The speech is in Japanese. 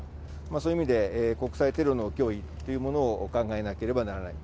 そういう意味で、国際テロの脅威というものを考えなければならない。